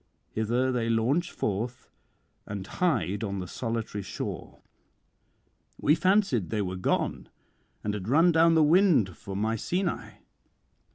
Hither they launch forth, and hide on the solitary shore: we fancied they were gone, and had run down the wind for Mycenae.